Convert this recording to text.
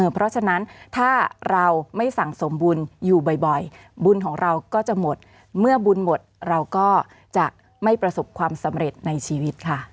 เพราะฉะนั้นถ้าเราไม่สั่งสมบุญอยู่บ่อยบุญของเราก็จะหมดเมื่อบุญหมดเราก็จะไม่ประสบความสำเร็จในชีวิตค่ะ